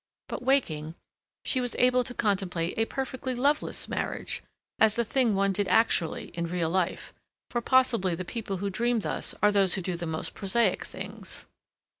But waking, she was able to contemplate a perfectly loveless marriage, as the thing one did actually in real life, for possibly the people who dream thus are those who do the most prosaic things.